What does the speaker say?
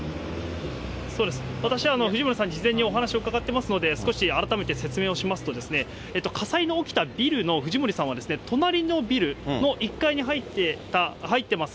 そうです、私は藤森さんに事前にお話を伺ってますので少し改めてお話しますと、火災の起きたビルの藤森さんは隣のビルの１階に入ってます